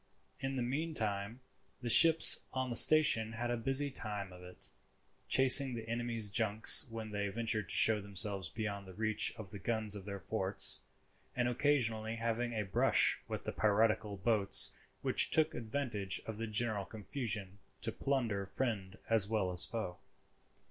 In the meantime the ships on the station had a busy time of it; chasing the enemy's junks when they ventured to show themselves beyond the reach of the guns of their forts; and occasionally having a brush with the piratical boats which took advantage of the general confusion to plunder friend as well as foe.